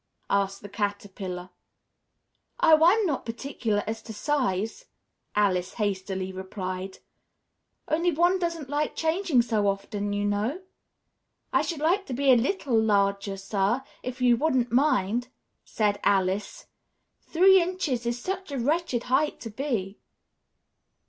asked the Caterpillar. "Oh, I'm not particular as to size," Alice hastily replied, "only one doesn't like changing so often, you know. I should like to be a little larger, sir, if you wouldn't mind," said Alice. "Three inches is such a wretched height to be."